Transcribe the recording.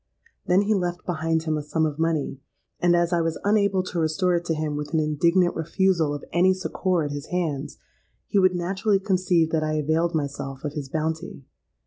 Then he left behind him a sum of money; and, as I was unable to restore it to him with an indignant refusal of any succour at his hands, he would naturally conceive that I availed myself of his bounty.